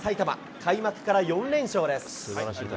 開幕から４連勝です。